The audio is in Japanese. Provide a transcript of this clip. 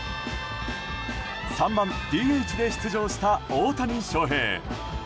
３番ＤＨで出場した、大谷翔平。